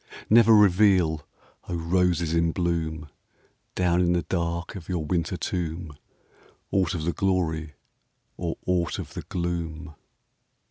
Never reveal, O roses in bloom, Down in the dark of your winter tomb, Aught of the glory or aught of the gloom